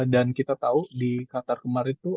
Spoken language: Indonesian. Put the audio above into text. dan kita tahu di qatar kemarin tuh